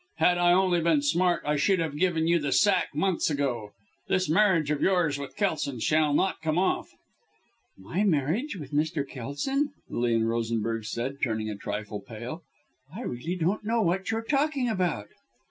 Had I only been smart I should have given you the sack months ago. This marriage of yours with Kelson shall not come off." "My marriage with Mr. Kelson!" Lilian Rosenberg said, turning a trifle pale. "I really don't know what you are talking about."